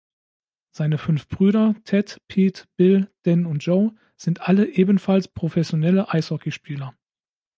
Seine fünf Brüder Ted, Pete, Bill, Dan und Joe sind alle ebenfalls professionelle Eishockeyspieler.